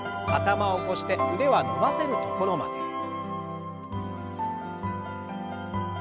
頭を起こして腕は伸ばせるところまで。